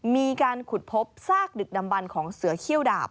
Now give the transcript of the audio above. มีการขุดพบซากดึกดำบันของเสือเขี้ยวดาบ